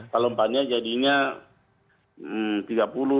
kalau empatnya jadinya rp tiga puluh